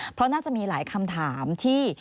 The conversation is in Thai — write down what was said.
เพราะน่าจะมีหลายคำถามที่